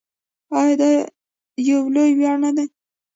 آیا دا یو لوی ویاړ نه دی؟